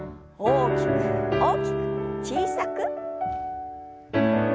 大きく大きく小さく。